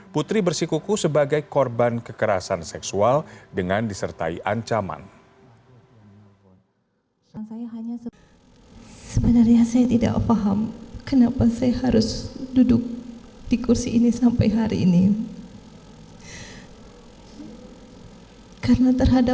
putri bersikuku sebagai korban kekerasan seksual dengan disertai ancaman